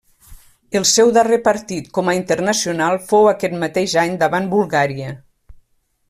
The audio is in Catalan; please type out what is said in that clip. El seu darrer partit com a internacional fou aquest mateix any davant Bulgària.